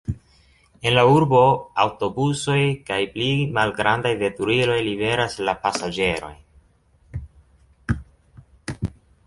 En la urbo aŭtobusoj kaj pli malgrandaj veturiloj liveras la pasaĝerojn.